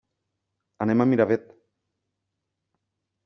Anem a Miravet.